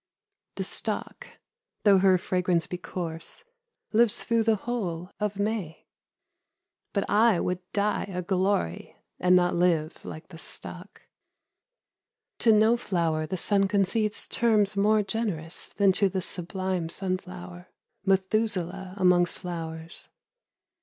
The stock, though her fragrance be coarse Lives through the whole of May But I would die a glory And not live like the stock. — To no flower the sun concedes Terms more generous Than to the sublime sunflower — Methuselah amongst flowers.